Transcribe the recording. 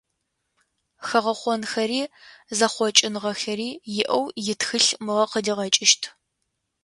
Хэгъэхъонхэри зэхъокӏыныгъэхэри иӏэу итхылъ мыгъэ къыдигъэкӏыщт.